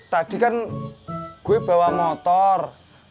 tadi kan gue bawa motor